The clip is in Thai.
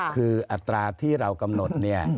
คืออัตราที่เรากำหนดเนี่ย